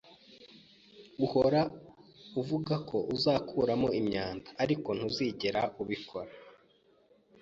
Uhora uvuga ko uzakuramo imyanda, ariko ntuzigera ubikora.